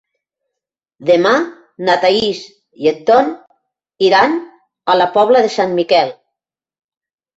Demà na Thaís i en Ton iran a la Pobla de Sant Miquel.